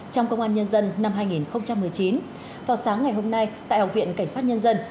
trong công an nhân dân năm hai nghìn một mươi chín vào sáng ngày hôm nay tại học viện cảnh sát nhân dân